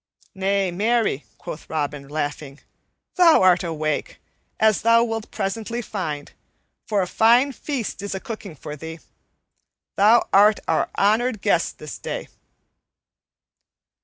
"Nay, marry," quoth Robin, laughing, "thou art awake, as thou wilt presently find, for a fine feast is a cooking for thee. Thou art our honored guest this day."